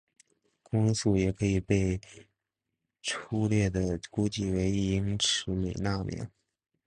光速也可以被初略地估计为一英尺每纳秒。